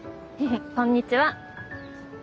こんにちは。